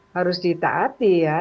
harus ditaati ya